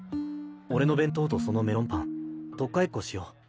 俺の弁当とそのメロンパン取っ替えっこしよう。